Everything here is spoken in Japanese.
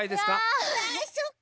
ああそっか！